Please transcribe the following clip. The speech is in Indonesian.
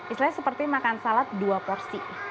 istilahnya seperti makan salad dua porsi